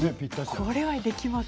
これは、やります。